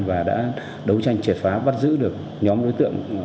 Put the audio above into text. và đã đấu tranh triệt phá bắt giữ được nhóm đối tượng